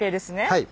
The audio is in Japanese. はい。